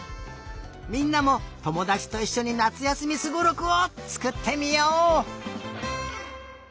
みんなもともだちといっしょになつやすみすごろくをつくってみよう！